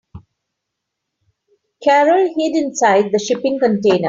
Carol hid inside the shipping container.